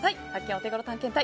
オテゴロ探検隊